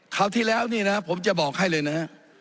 คราวที่แล้วนี่นะผมจะบอกให้เลยนะฮะ